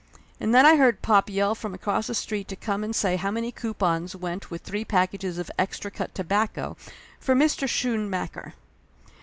And then I heard pop yell from across the street to come and say how many coupons went with three packages of Extra Cut Tobacco for Mr. Schoon macker.